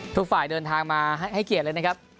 ทุกฝ่ายเดินทางมาให้เกียรติเลยนะครับ